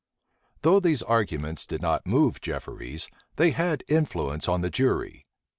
Though these arguments did not move Jefferies, they had influence on the jury.